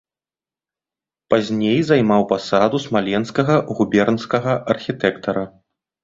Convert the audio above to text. Пазней займаў пасаду смаленскага губернскага архітэктара.